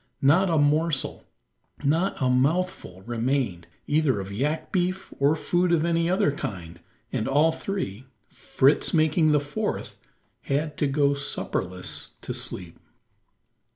Not a morsel, not a mouthful remained either of yak beef or food of any other kind and all three, Fritz making the fourth, had to go supperless to sleep.